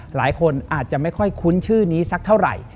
หลายคนอาจจะไม่ค่อยคุ้นชื่อนี้สักเท่าไหร่